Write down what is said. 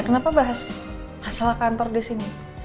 kenapa bahas masalah kantor di sini